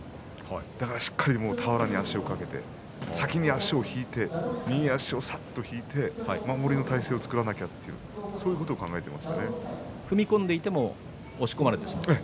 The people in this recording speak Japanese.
だからしっかり俵に足を掛けて先に足を引いて右足をさっと引いて守りの体勢を作らなきゃ踏み込んでいっても押し込まれてしまう？